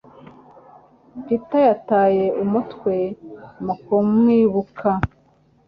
Peter yataye umutwe mu kumwibuka.